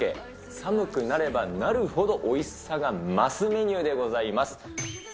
寒くなればなるほどおいしさが増すメニューでございます。